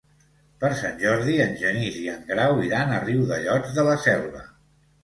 Per Sant Jordi en Genís i en Grau iran a Riudellots de la Selva.